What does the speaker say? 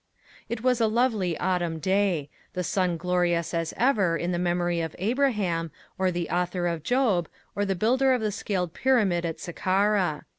It was a lovely autumn day, the sun glorious as ever in the memory of Abraham, or the author of Job, or the builder of the scaled pyramid at Sakkara.